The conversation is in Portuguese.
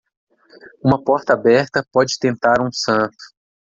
Uma porta aberta pode tentar um santo.